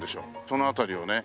その辺りをね